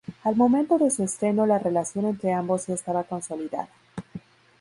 Al momento de su estreno la relación entre ambos ya estaba consolidada.